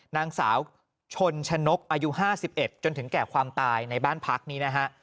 นางสาวชนชนกอายุ๕๑จนถึงแก่ความตายในบ้านพักนี้นะฮะ